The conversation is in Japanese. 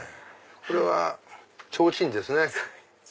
これはちょうちんですね。